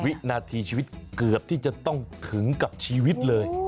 วินาทีชีวิตเกือบที่จะต้องถึงกับชีวิตเลย